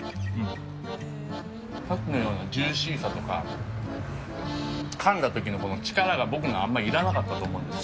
さっきのようなジューシーさとか、かんだときの力が、僕のあんまりいらなかったと思うんですね。